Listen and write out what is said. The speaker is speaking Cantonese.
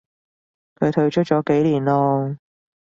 佢退出咗幾年咯